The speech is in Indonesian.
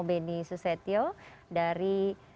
beni susetio dari